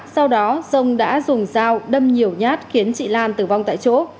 sau đó dông đã dùng dao đâm nhiều nhát khiến chị lan tử vong tại chỗ